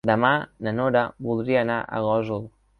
Demà na Nora voldria anar a Gósol.